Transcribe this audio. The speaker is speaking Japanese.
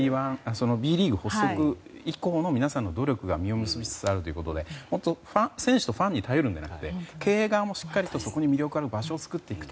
Ｂリーグ発足以降の皆さんの努力が実を結びつつあるということで選手とファンに頼るのではなく経営側も魅力ある場所を作っていく。